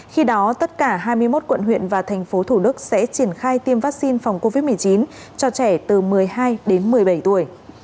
khi đó tất cả hai mươi một quận huyện và thành phố thủ đức sẽ triển khai tiêm vaccine phòng covid một mươi chín cho trẻ từ một mươi hai đến một mươi bảy tuổi